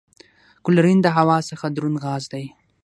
کلورین د هوا څخه دروند غاز دی.